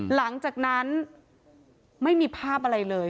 หลังจากนั้นไม่มีภาพอะไรเลย